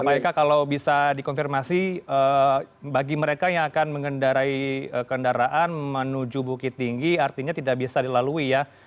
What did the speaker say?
pak eka kalau bisa dikonfirmasi bagi mereka yang akan mengendarai kendaraan menuju bukit tinggi artinya tidak bisa dilalui ya